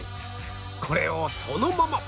これをそのまま